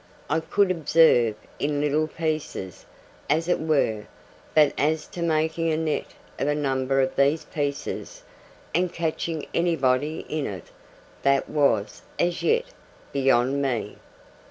I could observe, in little pieces, as it were; but as to making a net of a number of these pieces, and catching anybody in it, that was, as yet, beyond me.